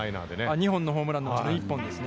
２本のホームランのうちの１本ですね。